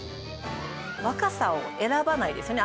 若さを選ばないですよね